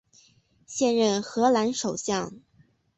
现任荷兰首相。